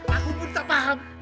aku pun tak paham